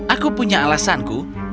aku punya alasanku